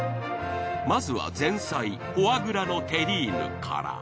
まずは前菜フォアグラのテリーヌから。